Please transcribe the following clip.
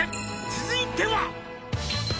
「続いては」